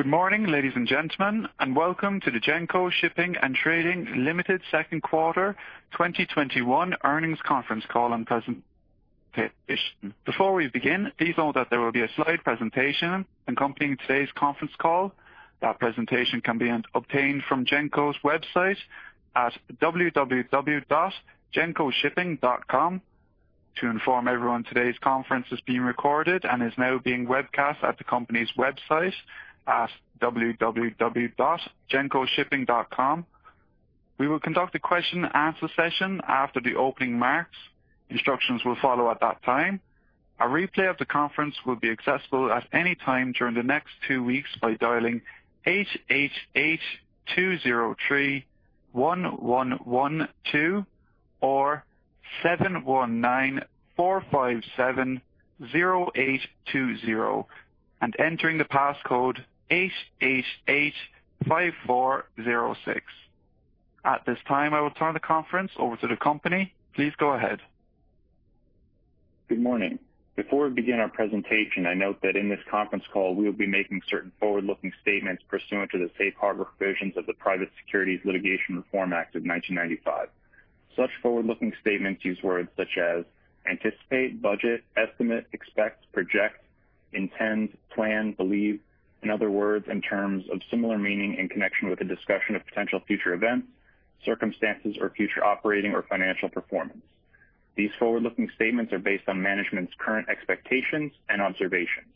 Good morning, ladies and gentlemen, and welcome to the Genco Shipping & Trading Limited second quarter 2021 earnings conference call and presentation. Before we begin, please note that there will be a slide presentation accompanying today's conference call. That presentation can be obtained from Genco's website at www.gencoshipping.com. To inform everyone, today's conference is being recorded and is now being webcast at the company's website at www.gencoshipping.com. We will conduct a question and answer session after the opening remarks. Instructions will follow at that time. A replay of the conference will be accessible at any time during the next two weeks by dialing eight eight eight-two zero three-one one one two or seven one nine-four five seven-zero eight two zero and entering the passcode 8885406. At this time, I will turn the conference over to the company. Please go ahead. Good morning. Before we begin our presentation, I note that in this conference call, we will be making certain forward-looking statements pursuant to the safe harbor provisions of the Private Securities Litigation Reform Act of 1995. Such forward-looking statements use words such as anticipate, budget, estimate, expect, project, intend, plan, believe, and other words and terms of similar meaning in connection with a discussion of potential future events, circumstances, or future operating or financial performance. These forward-looking statements are based on management's current expectations and observations.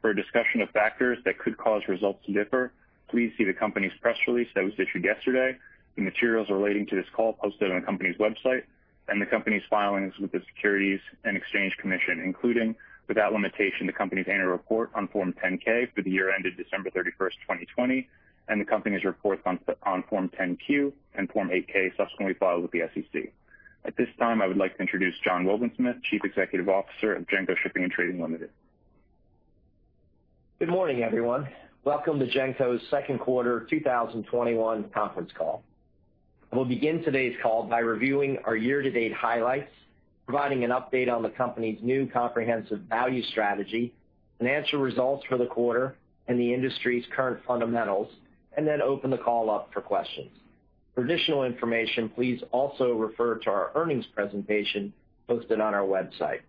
For a discussion of factors that could cause results to differ, please see the company's press release that was issued yesterday and materials relating to this call posted on the company's website, and the company's filings with the Securities and Exchange Commission, including, without limitation, the company's annual report on Form 10-K for the year ended December 31st, 2020, and the company's reports on Form 10-Q and Form 8-K subsequently filed with the SEC. At this time, I would like to introduce John Wobensmith, Chief Executive Officer of Genco Shipping & Trading Limited. Good morning everyone? Welcome to Genco's second quarter 2021 conference call. I will begin today's call by reviewing our year-to-date highlights, providing an update on the company's new comprehensive value strategy, financial results for the quarter and the industry's current fundamentals, and then open the call up for questions. For additional information, please also refer to our earnings presentation posted on our website.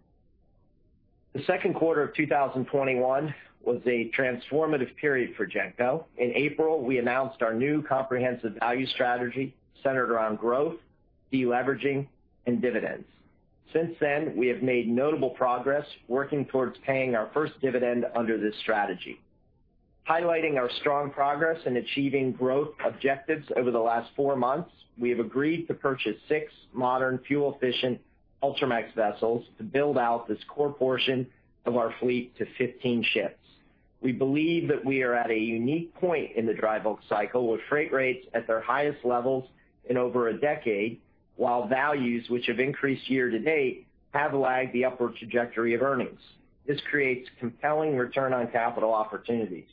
The second quarter of 2021 was a transformative period for Genco. In April, we announced our new comprehensive value strategy centered around growth, de-leveraging, and dividends. Since then, we have made notable progress working towards paying our first dividend under this strategy. Highlighting our strong progress in achieving growth objectives over the last four months, we have agreed to purchase six modern fuel-efficient Ultramax vessels to build out this core portion of our fleet to 15 ships. We believe that we are at a unique point in the drybulk cycle with freight rates at their highest levels in over a decade, while values which have increased year-to-date have lagged the upward trajectory of earnings. This creates compelling return on capital opportunities.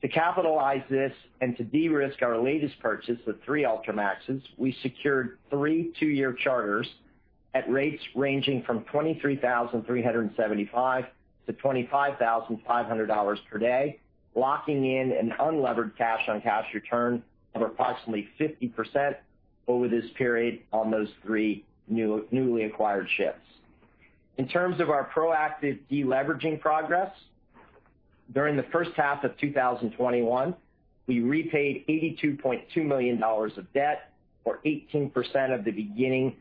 To capitalize this and to de-risk our latest purchase of three Ultramaxes, we secured three two-year charters at rates ranging from $23,375 to $25,500 per day, locking in an unlevered cash-on-cash return of approximately 50% over this period on those three newly acquired ships. In terms of our proactive de-leveraging progress, during the first half of 2021, we repaid $82.2 million of debt, or 18% of the beginning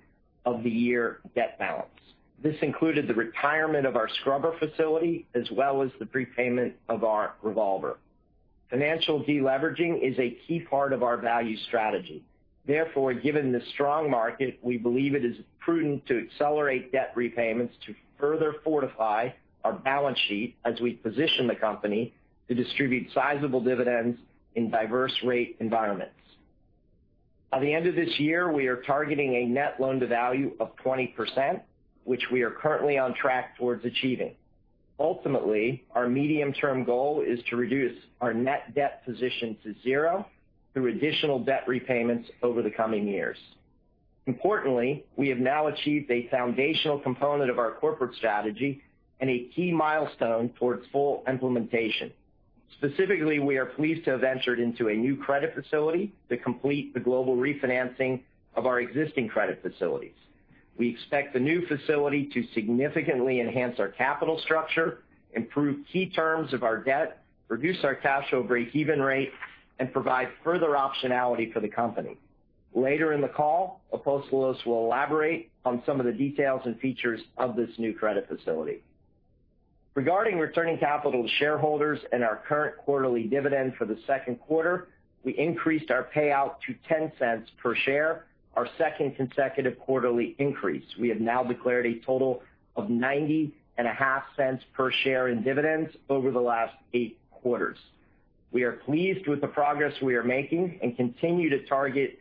of the year debt balance. This included the retirement of our scrubber facility as well as the prepayment of our revolver. Financial de-leveraging is a key part of our value strategy. Given the strong market, we believe it is prudent to accelerate debt repayments to further fortify our balance sheet as we position the company to distribute sizable dividends in diverse rate environments. At the end of this year, we are targeting a net loan-to-value of 20%, which we are currently on track towards achieving. Ultimately, our medium-term goal is to reduce our net debt position to zero through additional debt repayments over the coming years. Importantly, we have now achieved a foundational component of our corporate strategy and a key milestone towards full implementation. Specifically, we are pleased to have entered into a new credit facility to complete the global refinancing of our existing credit facilities. We expect the new facility to significantly enhance our capital structure, improve key terms of our debt, reduce our cash over breakeven rate, and provide further optionality for the company. Later in the call, Apostolos will elaborate on some of the details and features of this new credit facility. Regarding returning capital to shareholders and our current quarterly dividend for the second quarter, we increased our payout to $0.10 per share, our second consecutive quarterly increase. We have now declared a total of $0.905 per share in dividends over the last eight quarters. We are pleased with the progress we are making and continue to target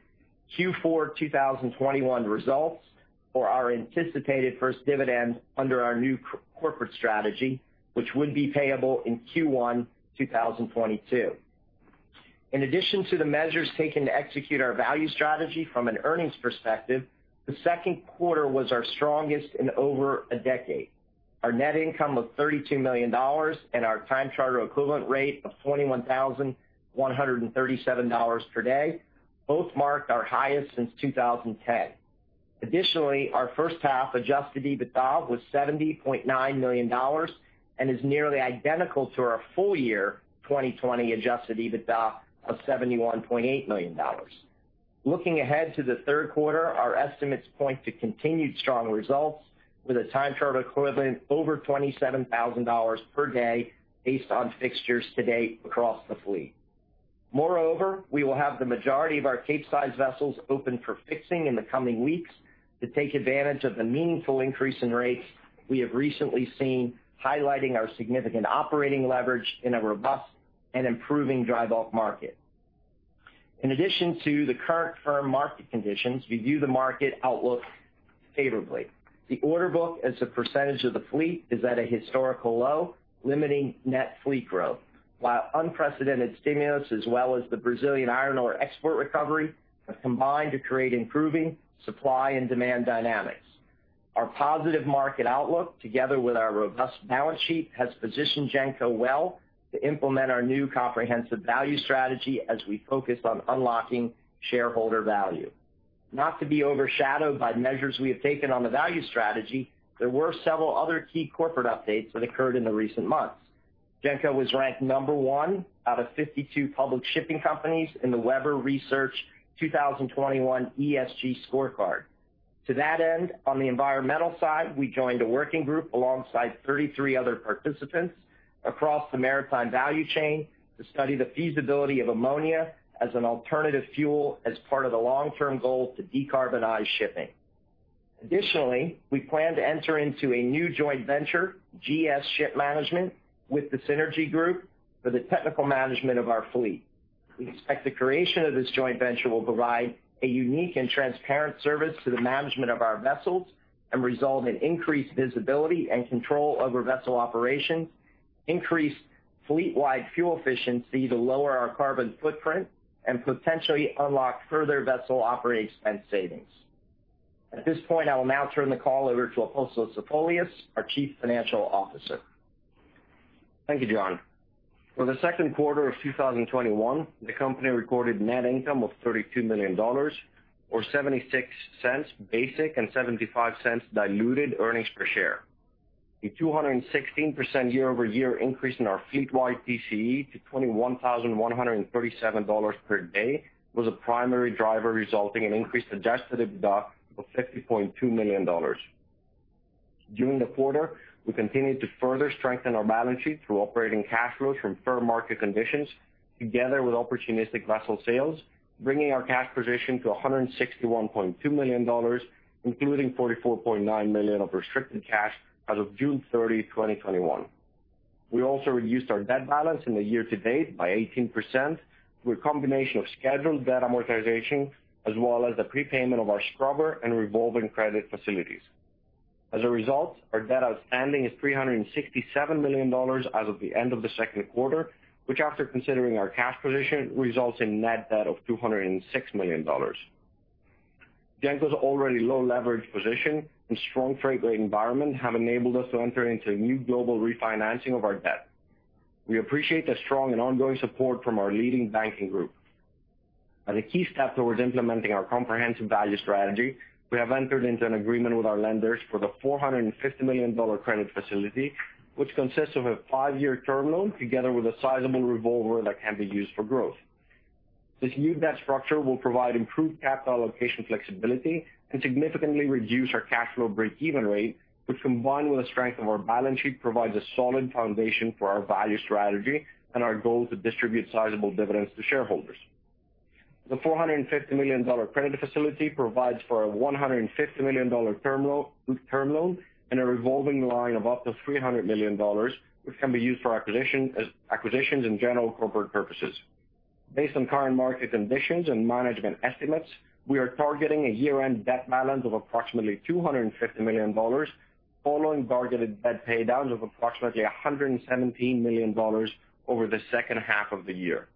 Q4 2021 results for our anticipated first dividend under our new corporate strategy, which would be payable in Q1 2022. In addition to the measures taken to execute our value strategy from an earnings perspective, the second quarter was our strongest in over a decade. Our net income was $32 million, and our time charter equivalent rate of $21,137 per day both marked our highest since 2010. Additionally, our first half adjusted EBITDA was $70.9 million and is nearly identical to our full year 2020 adjusted EBITDA of $71.8 million. Looking ahead to the third quarter, our estimates point to continued strong results with a time charter equivalent over $27,000 per day based on fixtures to date across the fleet. Moreover, we will have the majority of our Capesize vessels open for fixing in the coming weeks to take advantage of the meaningful increase in rates we have recently seen, highlighting our significant operating leverage in a robust and improving dry bulk market. In addition to the current firm market conditions, we view the market outlook favorably. The order book as a % of the fleet is at a historical low, limiting net fleet growth, while unprecedented stimulus as well as the Brazilian iron ore export recovery have combined to create improving supply and demand dynamics. Our positive market outlook, together with our robust balance sheet, has positioned Genco well to implement our new comprehensive Value Strategy as we focus on unlocking shareholder value. Not to be overshadowed by measures we have taken on the Value Strategy, there were several other key corporate updates that occurred in the recent months. Genco was ranked number one out of 52 public shipping companies in the Webber Research 2021 ESG scorecard. To that end, on the environmental side, we joined a working group alongside 33 other participants across the maritime value chain to study the feasibility of ammonia as an alternative fuel as part of the long-term goal to decarbonize shipping. Additionally, we plan to enter into a new joint venture, GS Ship Management, with the Synergy Group for the technical management of our fleet. We expect the creation of this joint venture will provide a unique and transparent service to the management of our vessels and result in increased visibility and control over vessel operations, increased fleet-wide fuel efficiency to lower our carbon footprint, and potentially unlock further vessel operating expense savings. At this point, I will now turn the call over to Apostolos Zafolias, our Chief Financial Officer. Thank you, John. For the second quarter of 2021, the company recorded net income of $32 million, or $0.76 basic and $0.75 diluted earnings per share. The 216% year-over-year increase in our fleet-wide TCE to $21,137 per day was a primary driver, resulting in increased adjusted EBITDA of $50.2 million. During the quarter, we continued to further strengthen our balance sheet through operating cash flows from firm market conditions, together with opportunistic vessel sales, bringing our cash position to $161.2 million, including $44.9 million of restricted cash as of June 30, 2021. We also reduced our debt balance in the year-to-date by 18%, with a combination of scheduled debt amortization as well as the prepayment of our scrubber and revolving credit facilities. As a result, our debt outstanding is $367 million as of the end of the second quarter, which, after considering our cash position, results in net debt of $206 million. Genco's already low leverage position and strong freight rate environment have enabled us to enter into a new global refinancing of our debt. We appreciate the strong and ongoing support from our leading banking group. As a key step towards implementing our comprehensive value strategy, we have entered into an agreement with our lenders for the $450 million credit facility, which consists of a five-year term loan together with a sizable revolver that can be used for growth. This new debt structure will provide improved capital allocation flexibility and significantly reduce our cash flow break-even rate, which, combined with the strength of our balance sheet, provides a solid foundation for our value strategy and our goal to distribute sizable dividends to shareholders. The $450 million credit facility provides for a $150 million term loan and a revolving line of up to $300 million, which can be used for acquisitions and general corporate purposes. Based on current market conditions and management estimates, we are targeting a year-end debt balance of approximately $250 million, following targeted debt paydowns of approximately $117 million over the second half of the year.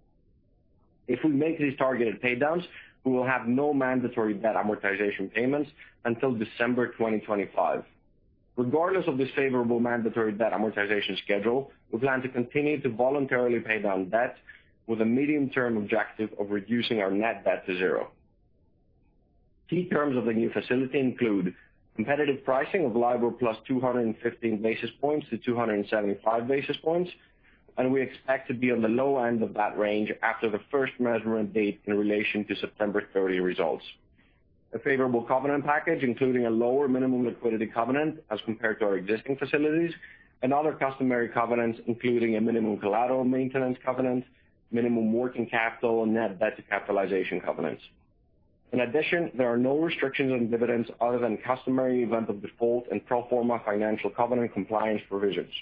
If we make these targeted paydowns, we will have no mandatory debt amortization payments until December 2025. Regardless of this favorable mandatory debt amortization schedule, we plan to continue to voluntarily pay down debt with a medium-term objective of reducing our net debt to zero. Key terms of the new facility include competitive pricing of LIBOR plus 215 basis points to 275 basis points, and we expect to be on the low end of that range after the first measurement date in relation to September 30 results. A favorable covenant package, including a lower minimum liquidity covenant as compared to our existing facilities and other customary covenants, including a minimum collateral maintenance covenant, minimum working capital, and net debt to capitalization covenants. In addition, there are no restrictions on dividends other than customary event of default and pro forma financial covenant compliance provisions.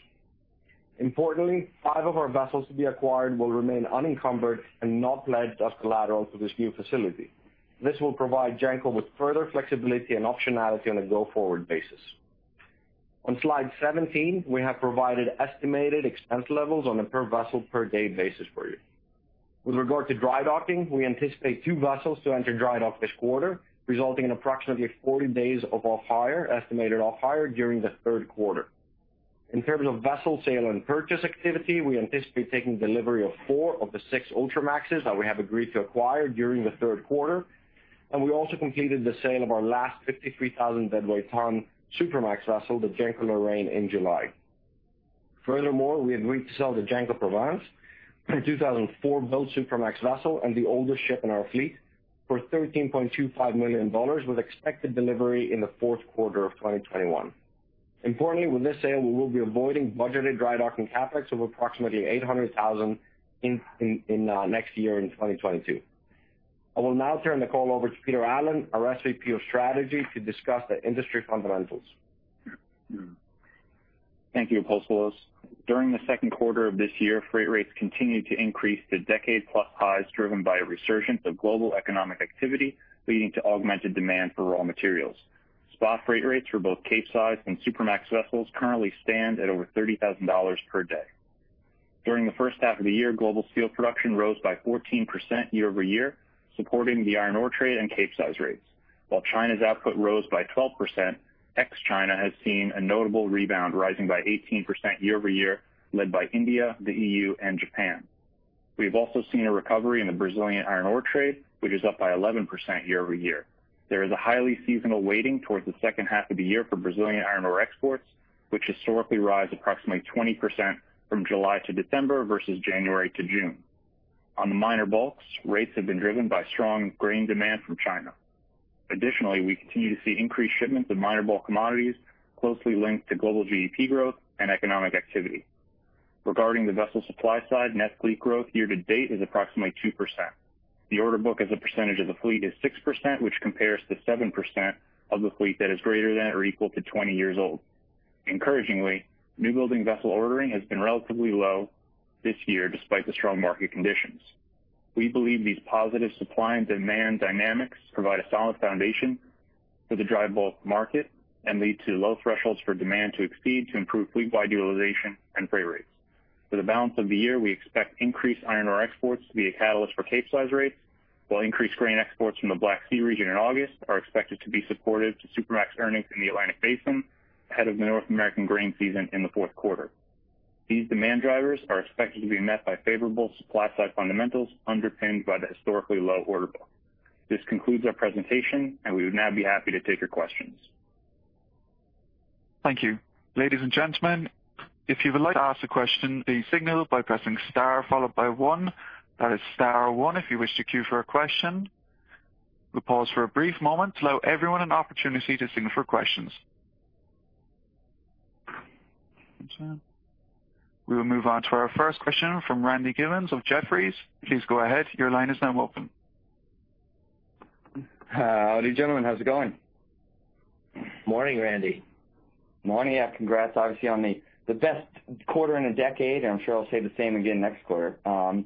Importantly, five of our vessels to be acquired will remain unencumbered and not pledged as collateral for this new facility. This will provide Genco with further flexibility and optionality on a go-forward basis. On slide 17, we have provided estimated expense levels on a per-vessel, per-day basis for you. With regard to dry docking, we anticipate 2 vessels to enter dry dock this quarter, resulting in approximately 40 days of off-hire, estimated off-hire during the 3rd quarter. In terms of vessel sale and purchase activity, we anticipate taking delivery of 4 of the 6 Ultramaxes that we have agreed to acquire during the 3rd quarter, and we also completed the sale of our last 53,000 deadweight ton Supramax vessel, the Genco Lorraine, in July. Furthermore, we agreed to sell the Genco Provence, a 2004-built Supramax vessel and the oldest ship in our fleet, for $13.25 million, with expected delivery in the 4th quarter of 2021. Importantly, with this sale, we will be avoiding budgeted dry docking CapEx of approximately $800,000 in next year, in 2022. I will now turn the call over to Peter Allen, our Senior Vice President of Strategy, to discuss the industry fundamentals. Thank you, Apostolos Zafolias. During the second quarter of this year, freight rates continued to increase to decade-plus highs, driven by a resurgence of global economic activity, leading to augmented demand for raw materials. Spot freight rates for both Capesize and Supramax vessels currently stand at over $30,000 per day. During the first half of the year, global steel production rose by 14% year-over-year, supporting the iron ore trade and Capesize rates. While China's output rose by 12%, ex-China has seen a notable rebound, rising by 18% year-over-year, led by India, the EU, and Japan. We have also seen a recovery in the Brazilian iron ore trade, which is up by 11% year-over-year. There is a highly seasonal weighting towards the second half of the year for Brazilian iron ore exports, which historically rise approximately 20% from July to December versus January to June. On the minor bulks, rates have been driven by strong grain demand from China. Additionally, we continue to see increased shipments of minor bulk commodities closely linked to global GDP growth and economic activity. Regarding the vessel supply side, net fleet growth year to date is approximately 2%. The order book as a percentage of the fleet is 6%, which compares to 7% of the fleet that is greater than or equal to 20 years old. Encouragingly, newbuilding vessel ordering has been relatively low this year despite the strong market conditions. We believe these positive supply and demand dynamics provide a solid foundation for the dry bulk market and lead to low thresholds for demand to exceed to improve fleet-wide utilization and freight rates. For the balance of the year, we expect increased iron ore exports to be a catalyst for Capesize rates, while increased grain exports from the Black Sea region in August are expected to be supportive to Supramax earnings in the Atlantic Basin ahead of the North American grain season in the fourth quarter. These demand drivers are expected to be met by favorable supply-side fundamentals underpinned by the historically low order book. This concludes our presentation, and we would now be happy to take your questions. Thank you. Ladies and gentlemen, if you would like to ask a question, please signal by pressing star followed by one. That is star one if you wish to queue for a question. We'll pause for a brief moment to allow everyone an opportunity to signal for questions. one second. We will move on to our first question from Randy Giveans of Jefferies, please go ahead your line is now open. How are you doing, gentlemen. How's it going? Morning, Randy? Morning. Yeah, congrats, obviously, on the best quarter in a decade, and I'm sure I'll say the same again next quarter. I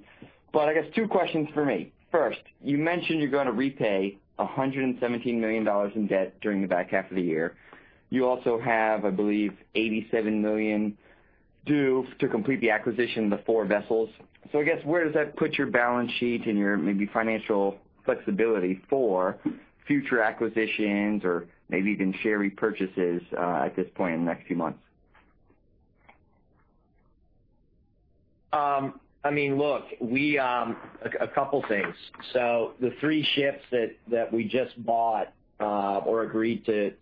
guess two questions from me. First, you mentioned you're going to repay $117 million in debt during the back half of the year. You also have, I believe, $87 million due to complete the acquisition of the four vessels. I guess where does that put your balance sheet and your maybe financial flexibility for future acquisitions or maybe even share repurchases, at this point in the next few months? A couple things. The three ships that we just bought or agreed to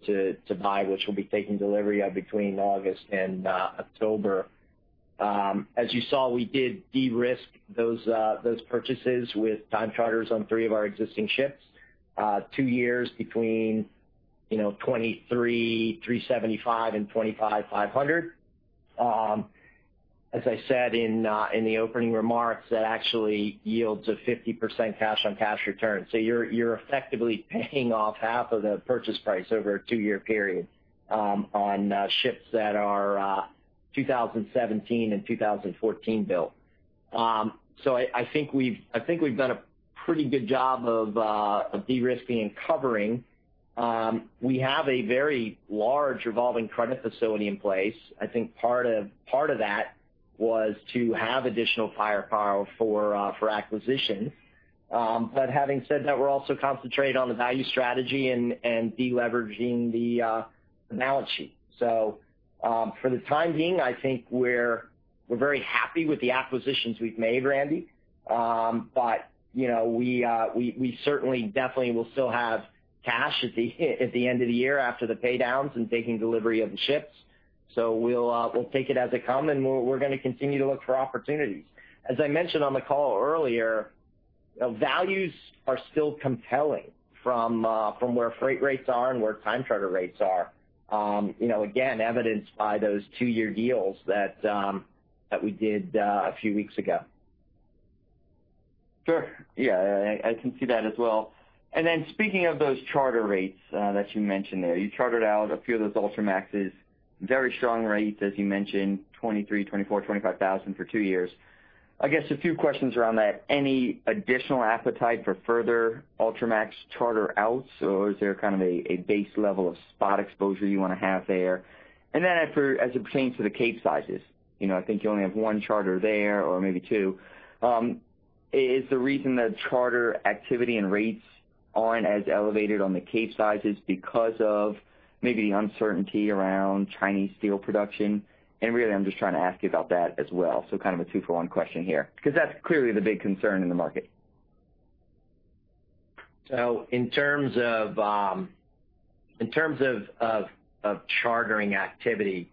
buy, which we'll be taking delivery of between August and October. As you saw, we did de-risk those purchases with time charters on three of our existing ships. Two years between $23,375 and $25,500. As I said in the opening remarks, that actually yields a 50% cash-on-cash return. You're effectively paying off half of the purchase price over a two-year period on ships that are 2017 and 2014 built. I think we've done a pretty good job of de-risking and covering. We have a very large revolving credit facility in place. I think part of that was to have additional firepower for acquisition. Having said that, we're also concentrated on the value strategy and de-leveraging the balance sheet. For the time being, I think we're very happy with the acquisitions we've made, Randy. We certainly definitely will still have cash at the end of the year after the pay-downs and taking delivery of the ships. We'll take it as they come, and we're going to continue to look for opportunities. As I mentioned on the call earlier, values are still compelling from where freight rates are and where time charter rates are. Again, evidenced by those two-year deals that we did a few weeks ago. Sure. Yeah, I can see that as well. Speaking of those charter rates that you mentioned there, you chartered out a few of those Ultramaxes, very strong rates, as you mentioned, $23,000, $24,000, $25,000 for two years. I guess a few questions around that. Any additional appetite for further Ultramax charter outs, or is there kind of a base level of spot exposure you want to have there? As it pertains to the Capesizes, I think you only have one charter there or maybe two. Is the reason that charter activity and rates aren't as elevated on the Capesizes because of maybe the uncertainty around Chinese steel production? Really, I'm just trying to ask you about that as well. Kind of a two-for-one question here, because that's clearly the big concern in the market. In terms of chartering activity,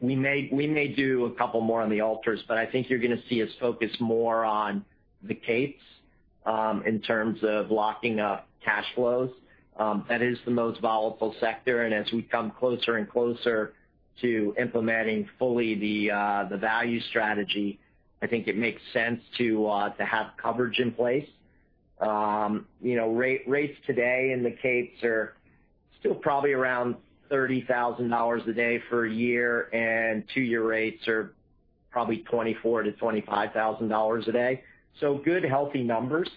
we may do two more on the Ultras, but I think you're going to see us focus more on the Capes in terms of locking up cash flows. That is the most volatile sector, and as we come closer and closer to implementing fully the value strategy, I think it makes sense to have coverage in place. Rates today in the Capes are still probably around $30,000 a day for a year, and two-year rates are probably $24,000-$25,000 a day. Good, healthy numbers.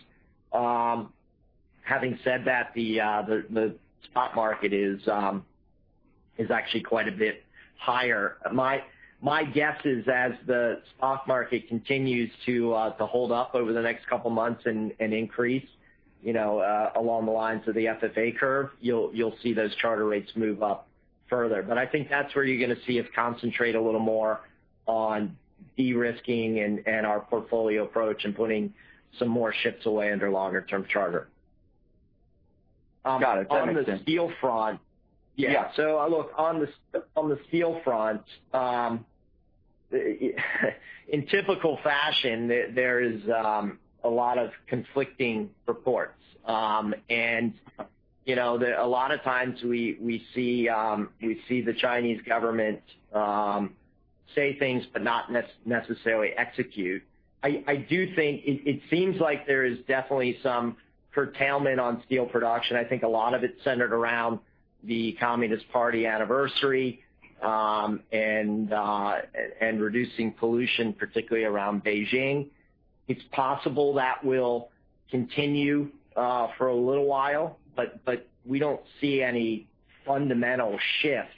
Having said that, the spot market is actually quite a bit higher. My guess is as the spot market continues to hold up over the next two months and increase along the lines of the FFA curve, you'll see those charter rates move up further. I think that's where you're going to see us concentrate a little more on de-risking and our portfolio approach and putting some more ships away under longer-term charter. Got it. That makes sense. On the steel front. Yeah. Look, on the steel front in typical fashion, there is a lot of conflicting reports. A lot of times we see the Chinese government say things, but not necessarily execute. I do think it seems like there is definitely some curtailment on steel production. I think a lot of it is centered around the Communist Party anniversary and reducing pollution, particularly around Beijing. It's possible that will continue for a little while, but we don't see any fundamental shift.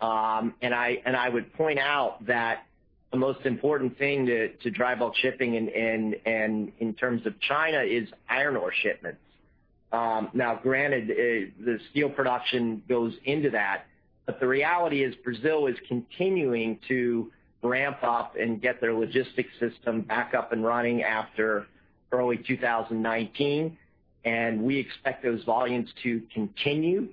I would point out that the most important thing to drive bulk shipping in terms of China is iron ore shipments. Granted, the steel production goes into that, but the reality is Brazil is continuing to ramp up and get their logistics system back up and running after early 2019. We expect those volumes to continue.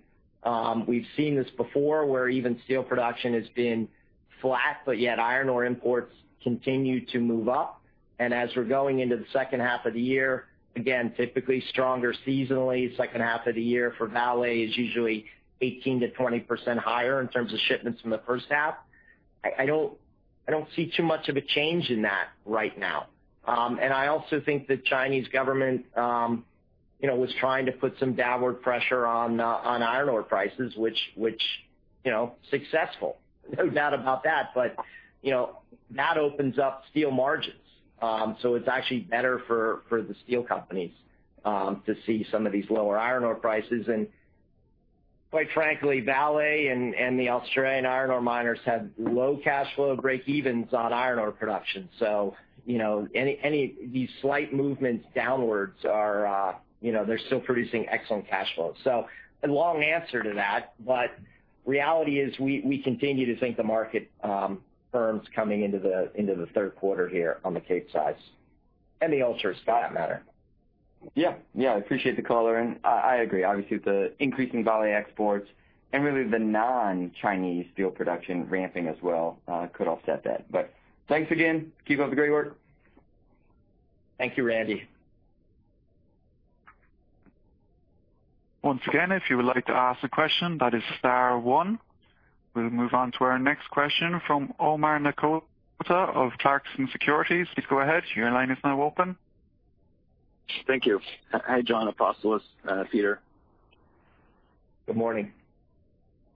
We've seen this before where even steel production has been flat, yet iron ore imports continue to move up. As we're going into the second half of the year, again, typically stronger seasonally. Second half of the year for Vale is usually 18%-20% higher in terms of shipments from the first half. I don't see too much of a change in that right now. I also think the Chinese government was trying to put some downward pressure on iron ore prices, which, successful, no doubt about that. It's actually better for the steel companies to see some of these lower iron ore prices. Quite frankly, Vale and the Australian iron ore miners have low cash flow breakevens on iron ore production. Any of these slight movements downwards are still producing excellent cash flow. A long answer to that, but reality is we continue to think the market firms coming into the third quarter here on the Capesize and the Ultramax as well. Yeah. I appreciate the color and I agree. Obviously, with the increasing Vale exports and really the non-Chinese steel production ramping as well could offset that. Thanks again. Keep up the great work. Thank you, Randy. Once again, if you would like to ask a question, that is star one. We'll move on to our next question from Omar Nokta of Clarksons Securities, please go ahead your line is now open. Thank you. Hi, John, Apostolos, Peter? Good morning?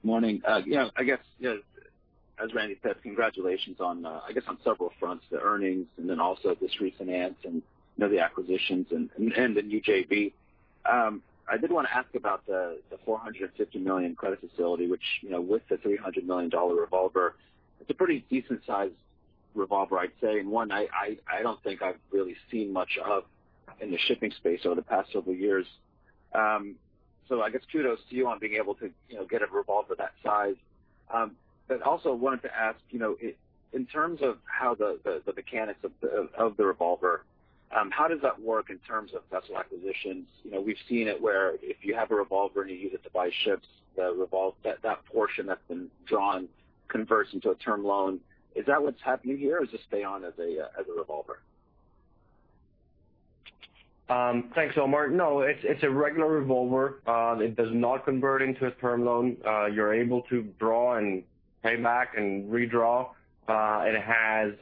Morning. I guess as Randy said, congratulations on, I guess, on several fronts, the earnings, and then also this refinance and the acquisitions and the new JV. I did want to ask about the $450 million credit facility, which with the $300 million revolver, it's a pretty decent-sized revolver, I'd say, and one I don't think I've really seen much of in the shipping space over the past several years. I guess kudos to you on being able to get a revolver that size. Also wanted to ask in terms of how the mechanics of the revolver, how does that work in terms of vessel acquisitions? We've seen it where if you have a revolver and you use it to buy ships, that portion that's been drawn converts into a term loan. Is that what's happening here or does it stay on as a revolver? Thanks, Omar. It's a regular revolver. It does not convert into a term loan. You're able to draw and pay back and redraw. It has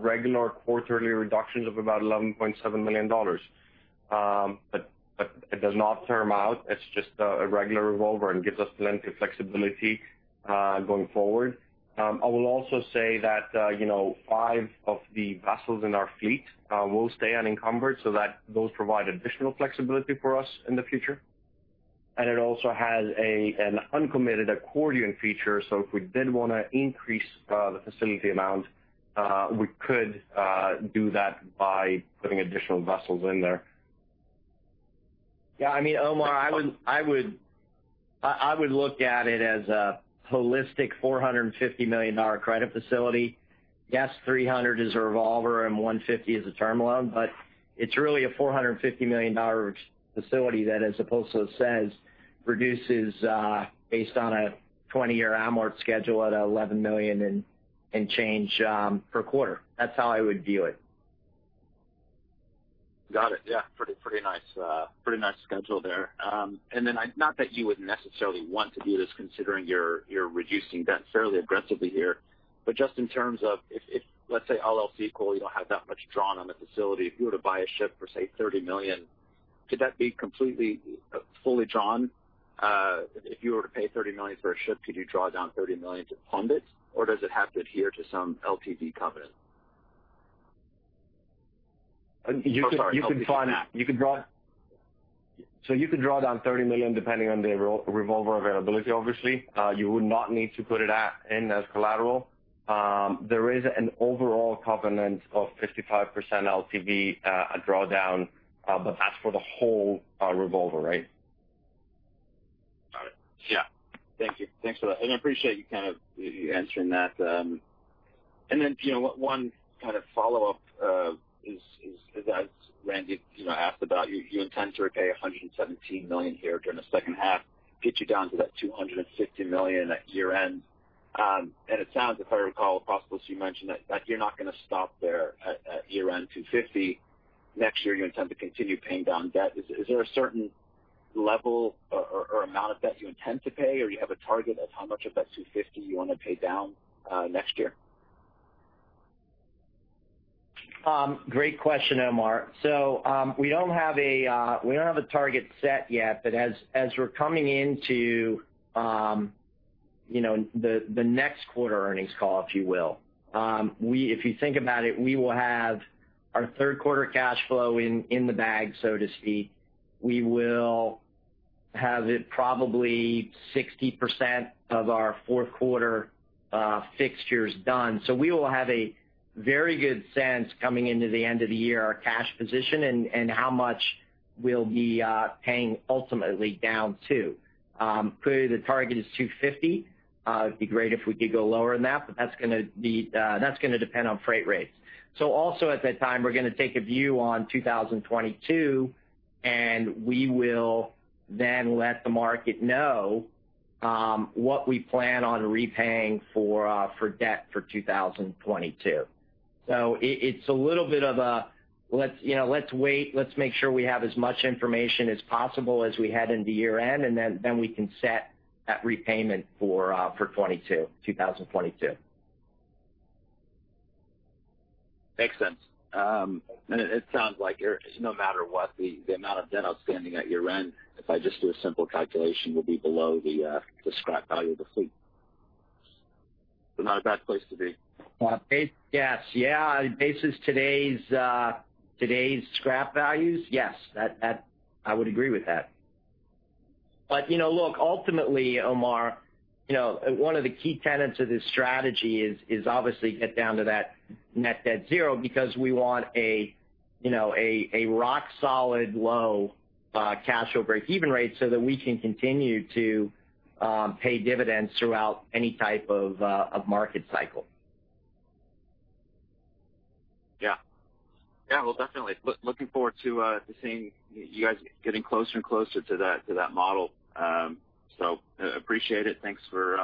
regular quarterly reductions of about $11.7 million. It does not term out. It's just a regular revolver and gives us plenty of flexibility going forward. I will also say that five of the vessels in our fleet will stay unencumbered so that those provide additional flexibility for us in the future. It also has an uncommitted accordion feature, so if we did want to increase the facility amount, we could do that by putting additional vessels in there. Yeah. Omar, I would look at it as a holistic $450 million credit facility. Yes, $300 is a revolver and $150 is a term loan, but it's really a $450 million facility that, as Apostolos says, reduces based on a 20-year amort schedule at $11 million and change per quarter. That's how I would view it. Got it. Yeah. Pretty nice schedule there. Not that you would necessarily want to do this considering you're reducing debt fairly aggressively here, but just in terms of if, let's say all else equal, you don't have that much drawn on the facility. If you were to buy a ship for, say, $30 million, could that be completely fully drawn? If you were to pay $30 million for a ship, could you draw down $30 million to fund it, or does it have to adhere to some LTV covenant? You could- Sorry, LTV cap. You could draw down $30 million, depending on the revolver availability, obviously. You would not need to put it in as collateral. There is an overall covenant of 55% LTV, a drawdown. That's for the whole revolver, right? Got it. Yeah. Thank you. Thanks for that. I appreciate you answering that. One follow-up is, as Randy asked about, you intend to repay $117 million here during the second half, get you down to that $250 million at year-end. It sounds, if I recall, Apostolos, you mentioned that you're not going to stop there at year-end $250 million. Next year, you intend to continue paying down debt. Is there a certain level or amount of debt you intend to pay, or you have a target of how much of that $250 million you want to pay down next year? Great question, Omar. We don't have a target set yet. As we're coming into the next quarter earnings call, if you will, if you think about it, we will have our third quarter cash flow in the bag, so to speak. We will have it probably 60% of our fourth quarter fixtures done. We will have a very good sense coming into the end of the year, our cash position and how much we'll be paying ultimately down to. Clearly, the target is $250. It'd be great if we could go lower than that, but that's going to depend on freight rates. Also at that time, we're going to take a view on 2022, and we will then let the market know what we plan on repaying for debt for 2022. It's a little bit of a let's wait, let's make sure we have as much information as possible as we head into year-end, and then we can set that repayment for 2022. Makes sense. It sounds like no matter what the amount of debt outstanding at year-end, if I just do a simple calculation, will be below the scrap value of the fleet. Not a bad place to be Yes. Yeah. Based on today's scrap values, yes, I would agree with that. Look, ultimately, Omar, one of the key tenets of this strategy is obviously get down to that net debt zero because we want a rock-solid low cash over break-even rate so that we can continue to pay dividends throughout any type of market cycle. Yeah. Well, definitely. Looking forward to seeing you guys getting closer and closer to that model. Appreciate it. Thanks for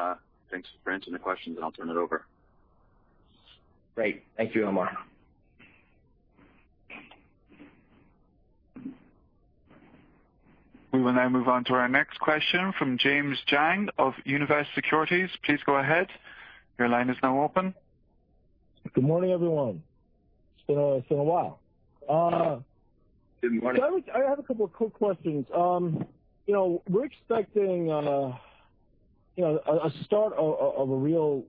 answering the questions. I'll turn it over. Great. Thank you, Omar. We will now move on to our next question from James Jang of Univest Securities, please go ahead your line is now open. Good morning, everyone? It's been a while. Good morning. I have a couple of quick questions. We're expecting a start of a real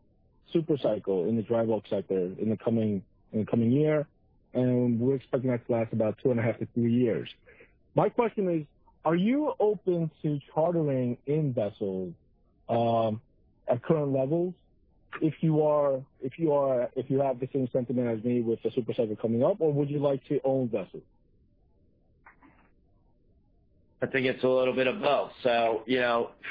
super cycle in the dry bulk sector in the coming year, and we're expecting that to last about two and a half to three years. My question is, are you open to chartering in vessels at current levels? If you have the same sentiment as me with the super cycle coming up, or would you like to own vessels? I think it's a little bit of both.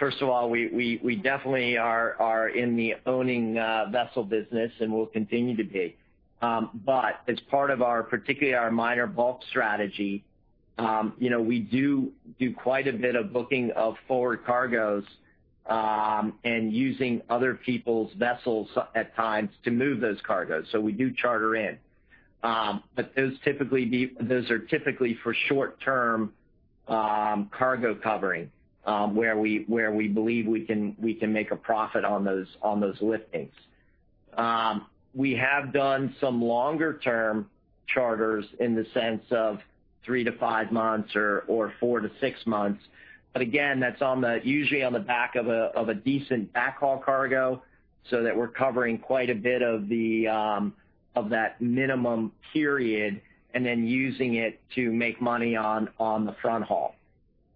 First of all, we definitely are in the owning vessel business and will continue to be. As part of our, particularly our minor bulk strategy, we do quite a bit of booking of forward cargoes and using other people's vessels at times to move those cargoes. We do charter in. Those are typically for short-term cargo covering where we believe we can make a profit on those liftings. We have done some longer-term charters in the sense of three-five months or four-six months. Again, that's usually on the back of a decent backhaul cargo so that we're covering quite a bit of that minimum period and then using it to make money on the front haul.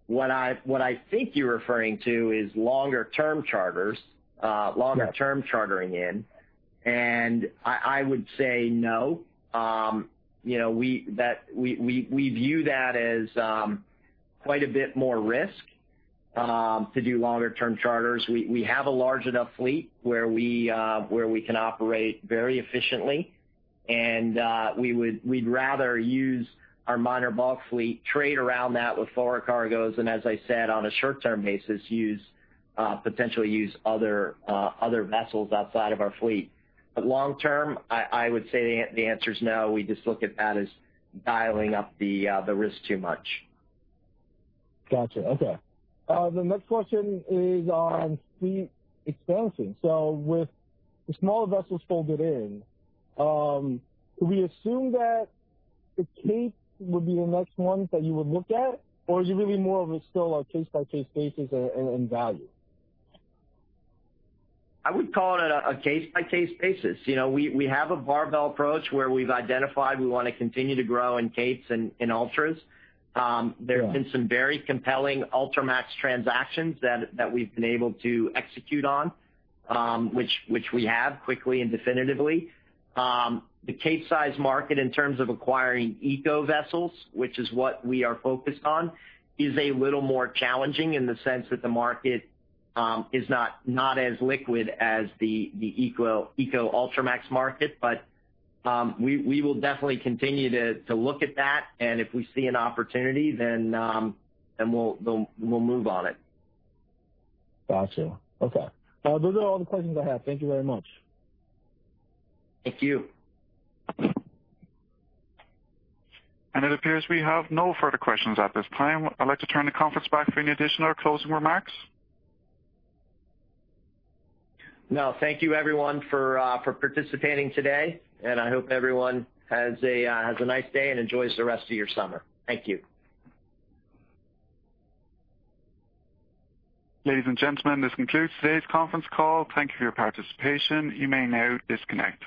What I think you're referring to is longer-term chartering in, and I would say no. We view that as quite a bit more risk to do longer-term charters. We have a large enough fleet where we can operate very efficiently, and we'd rather use our minor bulk fleet, trade around that with forward cargoes, and as I said, on a short-term basis, potentially use other vessels outside of our fleet. Long term, I would say the answer is no. We just look at that as dialing up the risk too much. Got you. Okay. The next question is on fleet expansion. With the smaller vessels folded in, do we assume that the Capes would be the next ones that you would look at, or is it really more of a case-by-case basis and value? I would call it a case-by-case basis. We have a barbell approach where we've identified we want to continue to grow in Capes and Ultras. There have been some very compelling Ultramax transactions that we've been able to execute on, which we have quickly and definitively. The Capesize market in terms of acquiring eco vessels, which is what we are focused on, is a little more challenging in the sense that the market is not as liquid as the eco Ultramax market. We will definitely continue to look at that, and if we see an opportunity, then we'll move on it. Got you. Okay. Those are all the questions I have. Thank you very much. Thank you. It appears we have no further questions at this time. I'd like to turn the conference back for any additional closing remarks. No, thank you everyone for participating today, and I hope everyone has a nice day and enjoys the rest of your summer. Thank you. Ladies and gentlemen, this concludes today's conference call. Thank you for your participation, you may now disconnect.